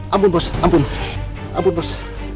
ampun bos ampun ampun bos